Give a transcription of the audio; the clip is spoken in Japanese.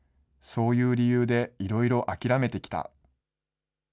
そういう理由でいろいろ諦めてきた。